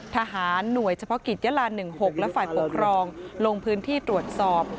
ทหารหน่วยเฉพาะกิจยะลา๑๖และฝ่ายปกครองลงพื้นที่ตรวจสอบ